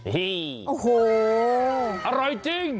เฮ่ยโอ้โฮอร่อยจริง